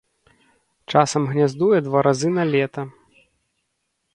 Часам гняздуе два разы на лета.